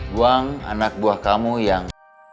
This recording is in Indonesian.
buang anak buah kamu yang